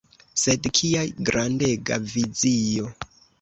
Sed kia grandega vizio!